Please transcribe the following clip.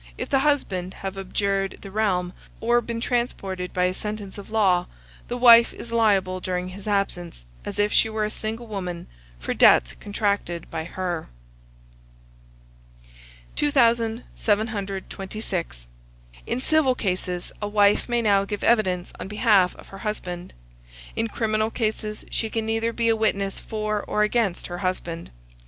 If the husband have abjured the realm, or been transported by a sentence of law, the wife is liable during his absence, as if she were a single woman, for debts contracted by her. 2726. In civil cases, a wife may now give evidence on behalf of her husband in criminal cases she can neither be a witness for or against her husband.